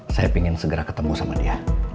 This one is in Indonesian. saya ingin segera ketemu sama dia